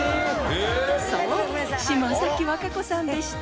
そう島崎和歌子さんでした。